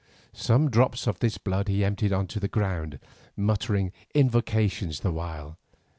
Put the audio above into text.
Some drops of this blood he emptied on to the ground, muttering invocations the while.